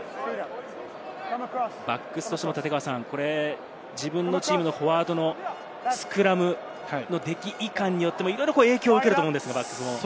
バックスとしても自分のチームのフォワードのスクラムの出来いかんによっても影響を受けると思うんですが。